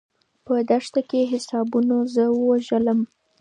په دښته کې حسابونو زه ووژلم.